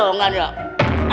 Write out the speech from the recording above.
kamu kamu bukan yang bantuin saya